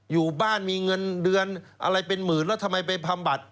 อยู่บ้านมีเงินเดือนอะไรเป็นหมื่นแล้วทำไมไปบำบัด